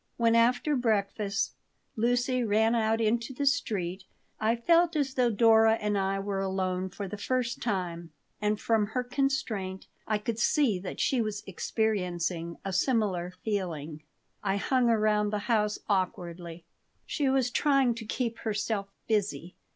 When, after breakfast, Lucy ran out into the street I felt as though Dora and I were alone for the first time, and from her constraint I could see that she was experiencing a similar feeling. I hung around the house awkwardly. She was trying to keep herself busy.